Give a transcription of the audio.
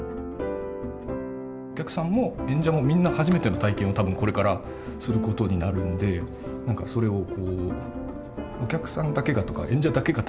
お客さんも演者もみんな初めての体験を多分これからすることになるんで何かそれを「お客さんだけが」とか「演者だけが」